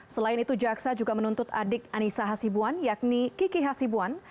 selain itu jaksa juga menuntut adik anissa hasibuan yakni kiki hasibuan